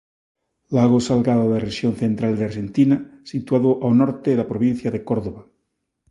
Lago salgado da rexión central de Arxentina, situado ao norte da provincia de Córdoba.